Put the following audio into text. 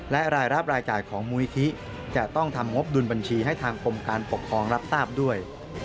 และรายรับรายจ่ายของมูลิธิจะต้องทำงบดุลบัญชีให้ทางกรมการปกครองรับทราบด้วย